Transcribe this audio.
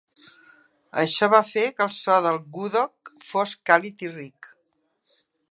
Això va fer que el so del gudok fos càlid i ric.